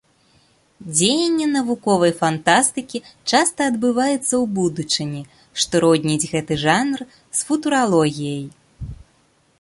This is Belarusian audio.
Дзеянне навуковай фантастыкі часта адбываецца ў будучыні, што родніць гэты жанр з футуралогіяй.